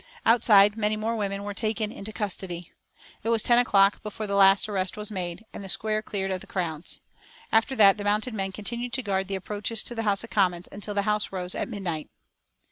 Outside, many more women were taken into custody. It was ten o'clock before the last arrest was made, and the square cleared of the crowds. After that the mounted men continued to guard the approaches to the House of Commons until the House rose at midnight.